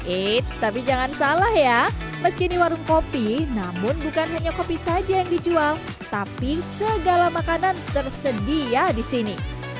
eits tapi jangan salah ya meski ini warung kopi namun bukan hanya kopi saja yang dijual tapi segala makanan tersedia di sini